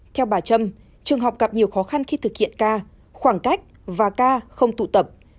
theo bà trâm trường học gặp nhiều khó khăn khi thực hiện ca khoảng cách và ca không tụ tập